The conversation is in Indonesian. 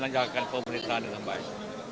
ya saya akan memberitahu dengan baik